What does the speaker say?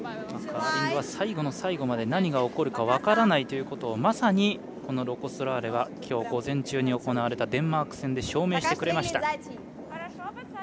カーリングは最後の最後まで何が起きるか分からないということをまさにロコ・ソラーレは今日、午前中に行われたデンマーク戦で証明してくれました。